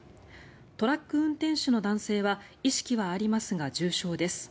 トラック運転手の男性は意識はありますが重傷です。